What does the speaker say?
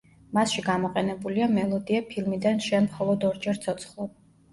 მასში გამოყენებულია მელოდია ფილმიდან „შენ მხოლოდ ორჯერ ცოცხლობ“.